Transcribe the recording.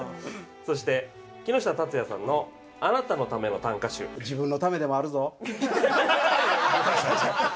そして木下龍也さんの『あなたのための短歌集』。自分のためでもあるぞ！